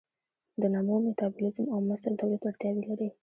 د نمو، میتابولیزم او مثل تولید وړتیاوې لري.